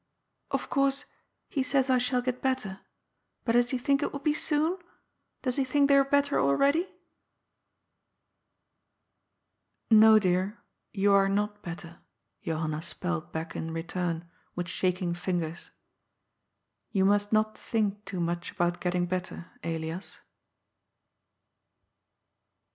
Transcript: Of course, he says I shall get better. But does ho think it will be soon ? Does he think they are better already ?"" No, dear, you are not better," Johanna spelled back in return, with shaking fingers. "You must not think too much about geting better, Elias."